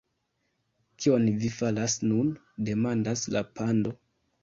"Kion vi faras nun?" demandas la pando.